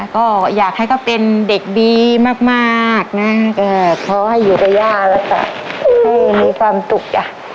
ก็อยากให้เขาเป็นเด็กดีมากนะก็ขอให้อยู่กับย่าแล้วจ้ะให้มีความสุขจ้ะ